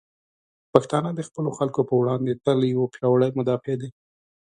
پښتانه د خپلو خلکو په وړاندې تل یو پیاوړي مدافع دی.